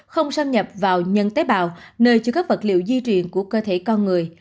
không xâm nhập vào nhân tế bào nơi chứa các vật liệu di truyền của cơ thể con người